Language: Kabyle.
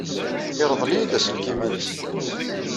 Yerḍel-iyi-d aselkim-nnes.